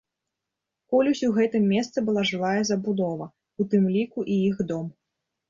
Колісь у гэтым месцы была жылая забудова, у тым ліку і іх дом.